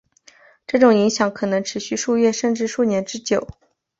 这种影响可能持续数月甚至数年之久。